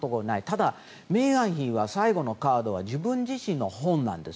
ただ、メーガン妃は最後のカードは自分自身の本なんです。